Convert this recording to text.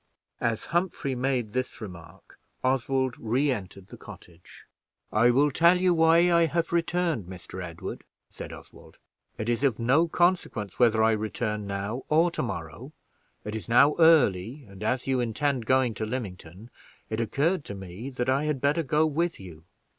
As Humphrey made this remark, Oswald re entered the cottage. "I will tell you why I have returned, Mr. Edward," said Oswald. "It is of no consequence whether I return now or to morrow. It is now early, and as you intend going to Lymington, it occurred to me that I had better go with you.